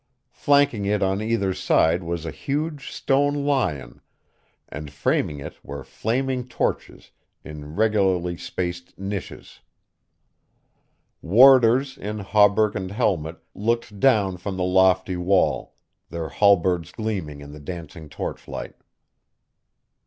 Flanking it on either side was a huge stone lion, and framing it were flaming torches in regularly spaced niches. Warders in hauberk and helmet looked down from the lofty wall, their halberds gleaming in the dancing torchlight.